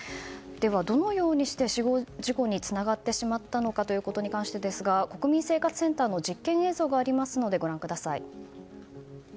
どのようにして死亡事故につながってしまったことかに関してですが国民生活センターの実験映像がありますのでご覧ください。